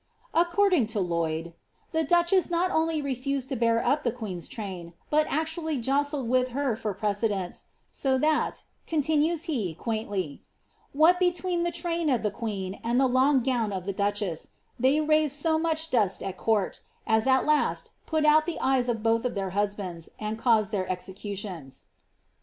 ^'* According to Uoyd, ^^ the duchess not only refused to bear up the queen^ train, but actually jostled with her for precedence ; so that,'' continues he, quaint* Iv, ^ what between the train of the queen, and the long gown of the duchess, they raised so much dust at court, as at last put out the eyei of both their husbands, and caused their executions."